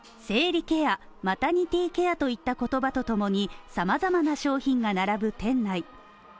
生理ケア、マタニティケアといった言葉とともにさまざまな商品が並ぶ店内。